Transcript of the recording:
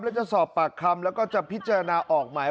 แล้วจะสอบปากคำแล้วก็จะพิจารณาออกหมาย